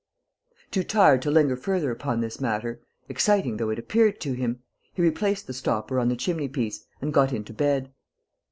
Too tired to linger further upon this matter, exciting though it appeared to him, he replaced the stopper on the chimney piece and got into bed.